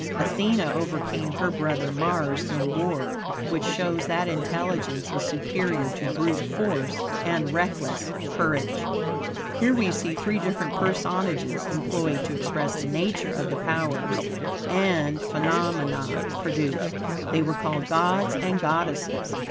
Athene overcame her brother Mars in war, which shows that intelligence is superior to brute force and reckless courage. Here, we see three different personages employed to express the nature of the powers and phenomena produced. They were called gods and goddesses.